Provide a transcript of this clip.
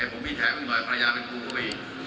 ให้ผมมีแถมหน่อยภรรยาเป็นครูเขาอีก